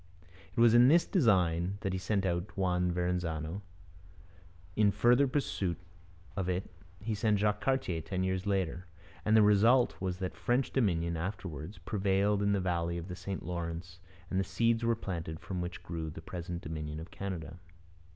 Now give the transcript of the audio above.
It was in this design that he sent out Juan Verrazano; in further pursuit of it he sent Jacques Cartier ten years later; and the result was that French dominion afterwards, prevailed in the valley of the St Lawrence and seeds were planted from which grew the present Dominion of Canada.